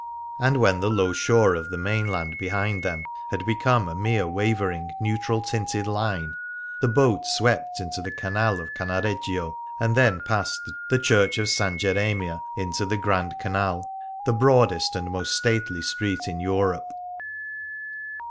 And when the low shore of the i8 First Impressions mainland behind them had become a mere wavering, neutral tinted line, the boat swept into the Canal of Cannareggio, and then past the Church of San Geremia, into the Grand Canal, the broadest and most stately street in Europe.